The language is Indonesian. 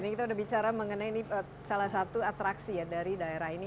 ini kita udah bicara mengenai ini salah satu atraksi ya dari daerah ini